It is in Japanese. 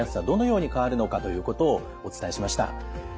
どのように変わるのかということをお伝えしました。